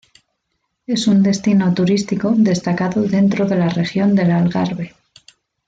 Es un destino turístico destacado dentro de la región del Algarve.